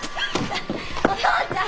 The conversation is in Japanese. お父ちゃん！